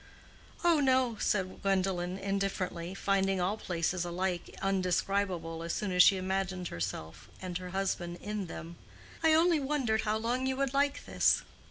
"Oh, no," said Gwendolen, indifferently, finding all places alike indescribable as soon as she imagined herself and her husband in them. "I only wondered how long you would like this."